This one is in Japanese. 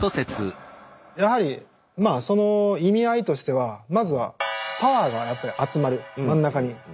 やはりまあその意味合いとしてはまずはパワーがやっぱり集まる真ん中に。